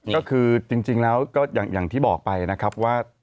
ก็คือจริงแล้วก็อย่างที่บอกไปนะครับว่า